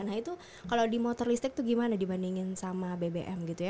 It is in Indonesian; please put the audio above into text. nah itu kalau di motor listrik itu gimana dibandingin sama bbm gitu ya